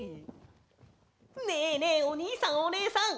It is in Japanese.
ねえねえおにいさんおねえさん！